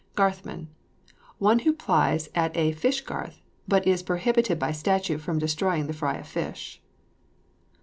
GARTHMAN. One who plies at a fish garth, but is prohibited by statute from destroying the fry of fish.